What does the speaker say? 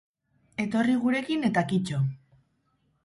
Etorri gurekin eta kito.